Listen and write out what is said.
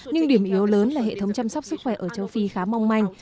nhưng điểm yếu lớn là hệ thống chăm sóc sức khỏe ở châu phi khá mong manh